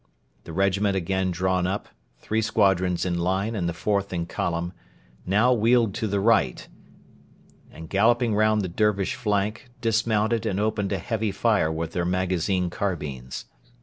The regiment again drawn up, three squadrons in line and the fourth in column, now wheeled to the right, and, galloping round the Dervish flank, dismounted and opened a heavy fire with their magazine carbines.